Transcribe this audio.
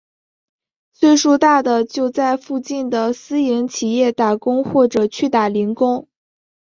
岁数大的就在附近的私营企业打工或者去打零工。